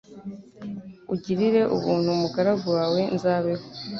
Ugirire ubuntu umugaragu wawe nzabeho